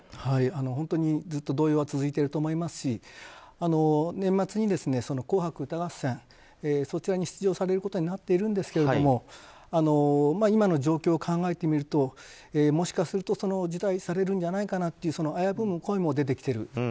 本当に、ずっと動揺は続いていると思いますし年末に「紅白歌合戦」に出場されることになっているんですが今の状況を考えてみるともしかすると辞退されるんじゃないかと危ぶむ声も出てきている。